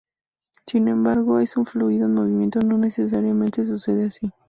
Sin embargo, en un fluido en movimiento no necesariamente sucede así.